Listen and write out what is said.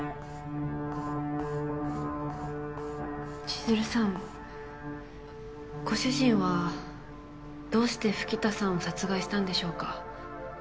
千弦さんご主人はどうして吹田さんを殺害したんでしょうか。